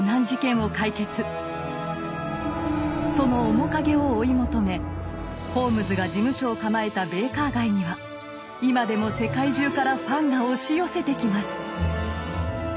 その面影を追い求めホームズが事務所を構えたベイカー街には今でも世界中からファンが押し寄せてきます！